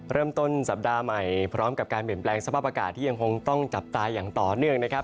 เริ่มต้นสัปดาห์ใหม่พร้อมกับการเปลี่ยนแปลงสภาพอากาศที่ยังคงต้องจับตาอย่างต่อเนื่องนะครับ